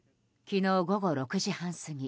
昨日午後６時半過ぎ